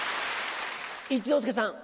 一之輔さん。